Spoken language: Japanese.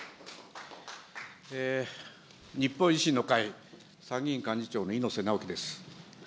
日本維新の会、参議院幹事長の猪瀬直樹です。